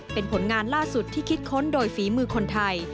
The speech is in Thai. เป็นผลงานล่าสุดที่คิดค้นโดยฝีมือคนไทย